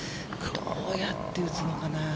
どうやって打つのかな。